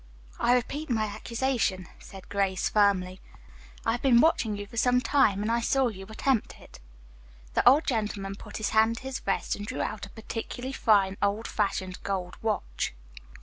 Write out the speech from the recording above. "I repeat my accusation," said Grace firmly. "I have been watching you for some time, and I saw you attempt it." The old gentleman put his hand to his vest and drew out a particularly fine old fashioned gold watch.